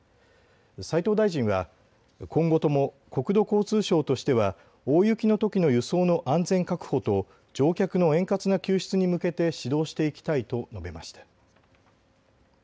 斉藤大臣は今後とも国土交通省としては大雪のときの輸送の安全確保と乗客の円滑な救出に向けて指導していきたいと述べました。